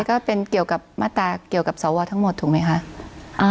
แต่มัตตาเกี่ยวกับเสาร์วออทั้งหมดถูกไหมคะ